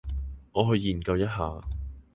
我去研究一下